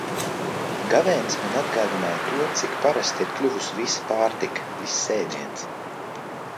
Gavēnis man atgādināja to, cik parasta ir kļuvusi visa pārtika, viss ēdiens.